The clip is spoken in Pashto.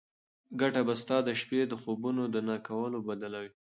ګټه به ستا د شپې د خوبونو د نه کولو بدله وي.